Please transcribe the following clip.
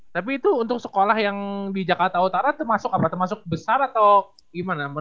tapi itu untuk sekolah yang di jakarta utara itu masuk apa termasuk besar atau gimana